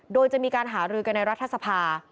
โดยจะมีการหารือกันในรัฐสภา